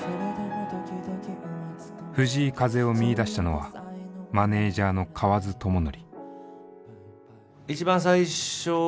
藤井風を見いだしたのはマネージャーの河津知典。